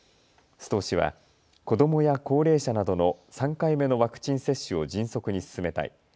須藤氏は子どもや高齢者などの３回目のワクチン接種を迅速に進めたい。